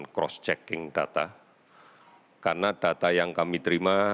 cross checking data karena data yang kami terima